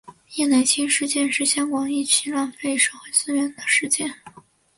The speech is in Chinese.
叶乃菁事件是台湾一起浪费社会资源的事件。